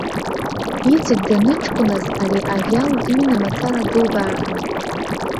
Иҵегь даныҷкәыназ ари аӷьал дыҩны мацара дылбааҟьон.